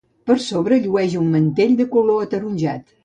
Per sobre llueix un mantell de color ataronjat.